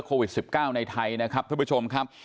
โควิด๑๙ในไทยนะครับท่านผู้ชมครับ